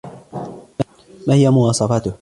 ما هي مواصفاته؟